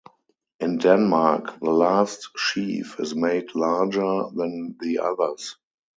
In Denmark, the last sheaf is made larger than the others.